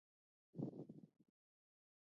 پښتون په ښځو او ماشومانو ګذار نه کوي.